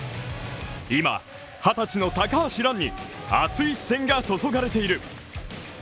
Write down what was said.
今、二十歳の高橋藍に熱い視線が注がれている。